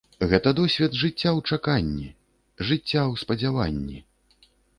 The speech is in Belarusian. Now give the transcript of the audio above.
Гэта досвед жыцця ў чаканні, жыцця ў спадзяванні.